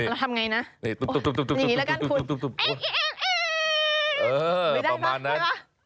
เอาแล้วทำไงนะตุ๊บทุบทุบประมาณนั้น